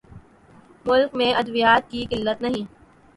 ملک میں ادویات کی قلت نہیں